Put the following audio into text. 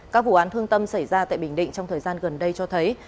các vụ án thương tâm xảy ra tại bình định trong thời gian gần đây cho thấy